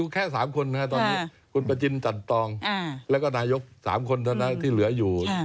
แค่๓คนคุณประจินจัดตรองและก็นายก๓คนเท่านั้นที่เหลืออยู่